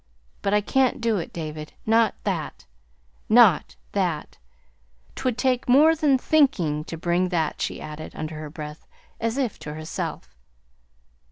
But I can't do it, David, not that not that. 'T would take more than THINKING to bring that," she added, under her breath, as if to herself.